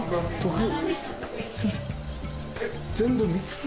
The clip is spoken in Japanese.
はい。